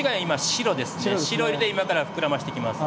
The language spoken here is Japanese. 白色で今から膨らましていきます。